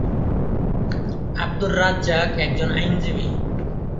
আবদুর রাজ্জাক একজন আইনজীবী।